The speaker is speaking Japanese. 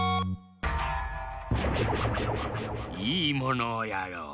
いいものをやろう。